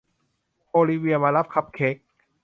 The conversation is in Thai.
โอลิเวียมารับคัพเค้ก